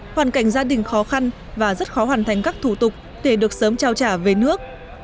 hoàn cảnh gia đình khó khăn và rất khó hoàn thành các thủ tục để được sớm trao trả về nước